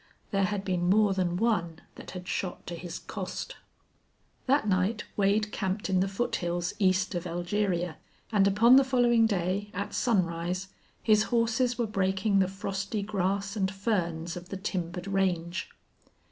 There had been more than one that had shot to his cost. That night Wade camped in the foothills east of Elgeria, and upon the following day, at sunrise, his horses were breaking the frosty grass and ferns of the timbered range.